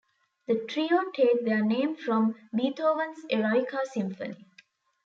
The trio take their name from Beethoven's Eroica Symphony.